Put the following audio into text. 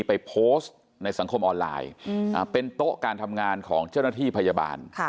ไปโพสต์ในสังคมออนไลน์เป็นโต๊ะการทำงานของเจ้าหน้าที่พยาบาล